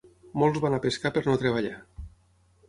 Molts van a pescar per no treballar.